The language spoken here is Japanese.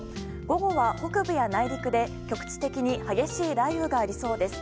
午後は北部や内陸で局地的に激しい雷雨がありそうです。